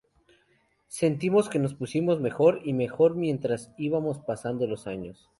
Sentimos que nos pusimos mejor y mejor mientras íbamos pasando los años.